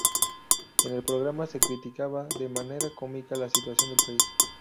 En el programa se criticaba de manera cómica la situación del país.